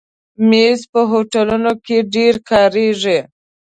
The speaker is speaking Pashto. مېز په هوټلونو کې ډېر کارېږي.